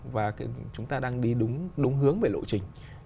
và chúng ta đang đi đúng hướng về lộ trình